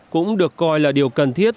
cũng được coi là điều cần thiết